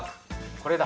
これだ。